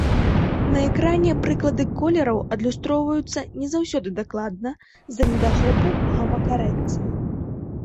На экране прыклады колераў адлюстроўваюцца не заўсёды дакладна з-за недахопу гама-карэкцыі.